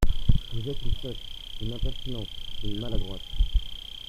Vous êtes une sotte ! une impertinente ! une maladroite !